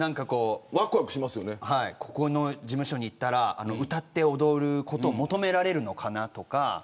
ここの事務所に行ったら歌って踊ることを求められるのかなとか。